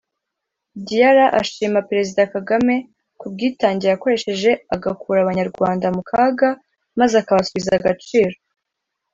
Diarra ashima Perezida Kagame ku bwitange yakoresheje agakura Abanyarwanda mu kaga maze akabasubiza agaciro